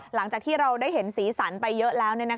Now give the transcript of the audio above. หลังจากที่เราได้เห็นสีสันไปเยอะแล้ว